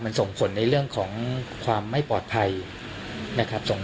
มันส่งผลในเรื่องของความไม่ปลอดภัยนะครับ